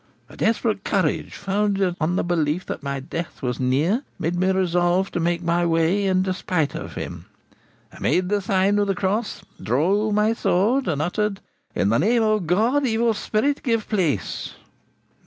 A desperate courage, founded on the belief that my death was near, made me resolve to make my way in despite of him. I made the sign of the cross, drew my sword, and uttered, "In the name of God, Evil Spirit, give place!"